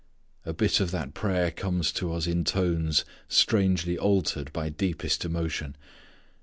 _ A bit of that prayer comes to us in tones strangely altered by deepest emotion.